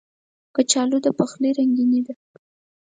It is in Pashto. کچالو د پخلي رنګیني ده